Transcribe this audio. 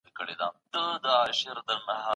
عظیم